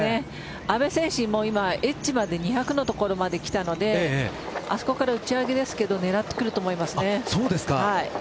阿部選手、エッジまで２００の所まできたのであそこから打ち上げですが狙ってくると思います。